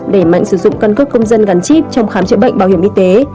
để mạnh sử dụng căn cấp công dân gắn chip trong khám chữa bệnh bảo hiểm y tế